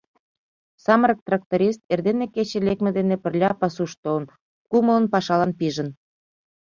Самырык тракторист эрдене кече лекме дене пырля пасуш толын, кумылын пашалан пижын.